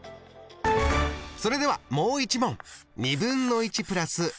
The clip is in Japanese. それではもう一問。